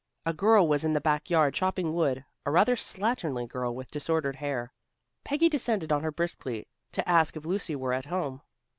A girl was in the back yard chopping wood, a rather slatternly girl with disordered hair. Peggy descended on her briskly to ask if Lucy were at home.